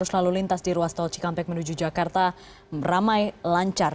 arus lalu lintas di ruas tol cikampek menuju jakarta ramai lancar